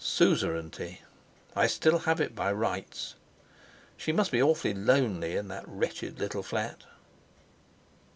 Suzerainty! I still have it by rights. She must be awfully lonely in that wretched little flat!"